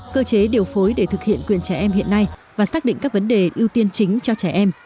cơ chế điều phối để thực hiện quyền trẻ em hiện nay và xác định các vấn đề ưu tiên chính cho trẻ em